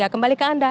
kembali ke anda